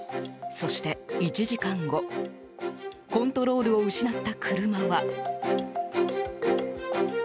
そして、１時間後コントロールを失った車は。